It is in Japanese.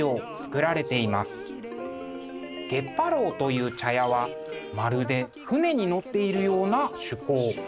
月波楼という茶屋はまるで船に乗っているような趣向。